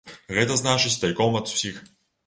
Гэта значыць тайком ад усіх.